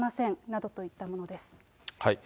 などといったものです。